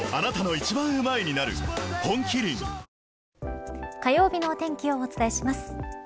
本麒麟火曜日のお天気をお伝えします。